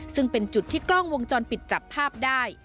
ซึ่งเป็นจุดที่กล้องวงจรปิดจับภาพได้